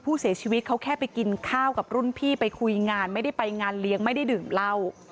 ผู้เสียชีวิตเขาแค่ไปกินข้าวกับรุ่นพี่ไปคุยงานไม่ได้ไปงานเลี้ยงไม่ได้ดื่มเหล้า